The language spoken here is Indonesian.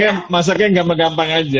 tapi masaknya enggak menggambar saja